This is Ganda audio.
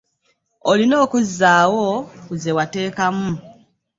Olina okuzzaawo ku ze wateekamu.